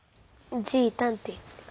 じいたんって言って。